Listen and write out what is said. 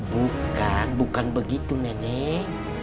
bukan bukan begitu nenek